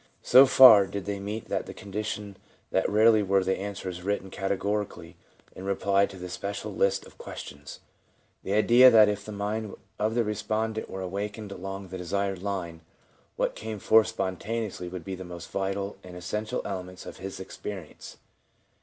So far did they meet that condition that rarely were the answers written categorically in reply to the special list of questions. The idea was that if the mind of the respondent were awakened along the desired line, what came forth spontaneously would INTRODUCTION 13 be the most vital and essential elements of his experi ence.